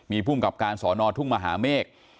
มีภูมิกับการสอนอทุ่งมหาเมฆ